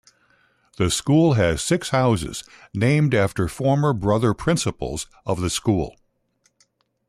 The school has six houses named after former brother principals of the school.